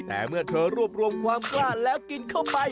แต่เมื่อเธอรวบรวมความกล้าแล้วกินเข้าไป